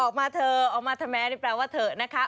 ออกมาเถอะออกมาทำไมนี่แปลว่าเถอะนะคะ